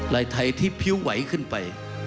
ลายไทยที่พิ้วไหวขึ้นไป